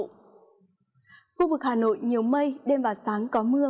khu vực hà nội nhiều mây đêm và sáng có mưa